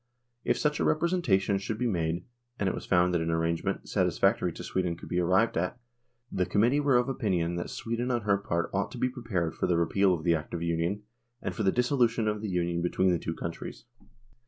If such a representation should be made and it was found that an arrangement, satisfactory to Sweden, could be arrived at, the Committee were of opinion that Sweden on her part ought to be pre pared for the repeal of the Act of Union and for the dissolution of the Union between the two countries.